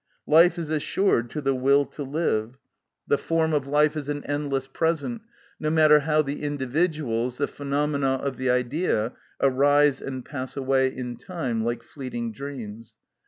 Life is assured to the will to live; the form of life is an endless present, no matter how the individuals, the phenomena of the Idea, arise and pass away in time, like fleeting dreams.